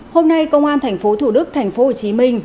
hôm nay công an tp thủ đức tp hồ chí minh